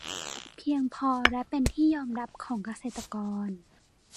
เพียงพอและเป็นที่ยอมรับของเกษตรกร